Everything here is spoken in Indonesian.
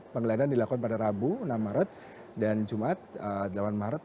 penggeledahan dilakukan pada rabu enam maret dan jumat delapan maret